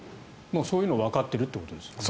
そういうのがわかってるということですね。